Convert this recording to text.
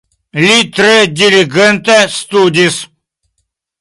Li tre diligente studis.